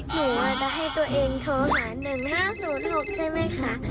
หนูจะให้ตัวเองโทรหา๑๕๐๖ใช่ไหมคะ